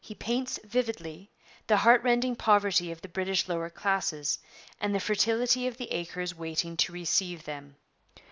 He paints vividly the heart rending poverty of the British lower classes, and the fertility of the acres waiting to receive them.